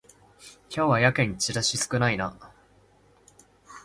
今日はやけにチラシ少ないな